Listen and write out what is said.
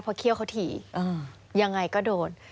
เพราะเขี้ยวเขาถี่ยังไงก็โดน